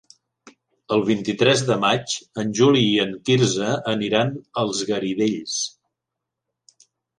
El vint-i-tres de maig en Juli i en Quirze aniran als Garidells.